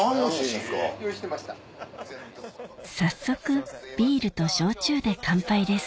早速ビールと焼酎で乾杯です